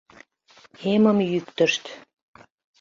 Эмым йӱктышт.